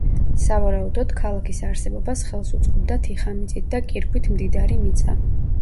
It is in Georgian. სავარაუდოდ, ქალაქის არსებობას ხელს უწყობდა თიხამიწით და კირქვით მდიდარი მიწა.